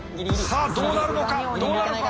さあどうなるのかどうなのか。